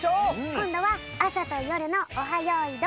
こんどはあさとよるの「オハ！よいどん」であおうね！